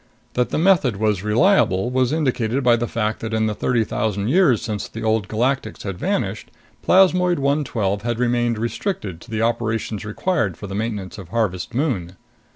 That the method was reliable was indicated by the fact that, in the thirty thousand years since the Old Galactics had vanished, plasmoid 112 had remained restricted to the operations required for the maintenance of Harvest Moon.